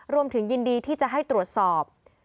ยินดีที่จะให้ตรวจสอบ